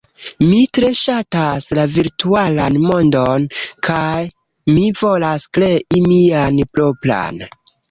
Mi tre ŝatas la virtualan mondon, kaj mi volas krei mian propran.